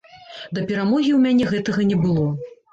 Да перамогі ў мяне гэтага не было.